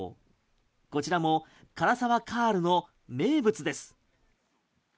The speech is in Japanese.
こちらも涸沢カールの名物です。